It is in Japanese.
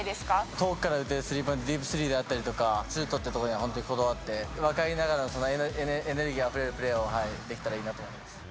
遠くから打てるスリー、ディープスリーであったりとか、シュートってところに本当にこだわって、若いながらエネルギーあふれるプレーをできたらいいなと思います。